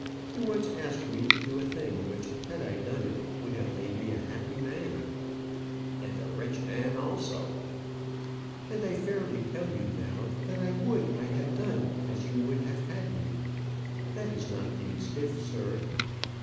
You once asked me to do a thing which, had I done it, would have made me a happy man " "And a rich man also." "And I fairly tell you now, that I would I had done as you would have had me. That is not being stiff, sir."